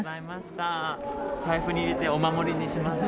財布に入れてお守りにします。